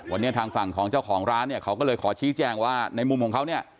วันนี้ทางฝั่งของเจ้าของร้านเนี่ยเขาก็เลยขอชี้แจงว่าในมุมของเขาเนี่ย